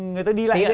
người ta đi lại